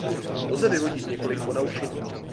Lze vyvodit několik ponaučení.